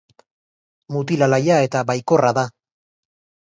Mutil alaia eta baikorra da.